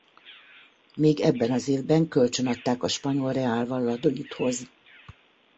Még ebben az évben kölcsönadták a spanyol Real Valladolid-hoz.